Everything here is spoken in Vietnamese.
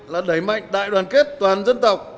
là đẩy mạnh đại đoàn kết toàn dân tộc